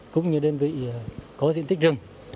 cũng như đơn vị có diện tích rừng